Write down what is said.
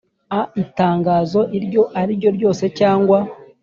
a itangazo iryo ariryo ryose cyangwa